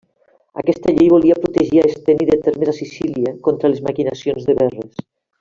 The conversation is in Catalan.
Aquesta llei volia protegir a Esteni de Termes a Sicília, contra les maquinacions de Verres.